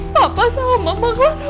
papa sama mak claian